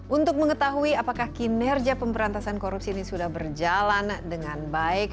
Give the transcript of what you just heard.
untuk mengetahui apakah kinerja pemberantasan korupsi ini sudah berjalan dengan baik